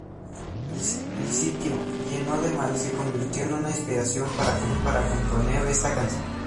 El sitio, lleno de maleza, se convirtió en una inspiración para componer esta canción.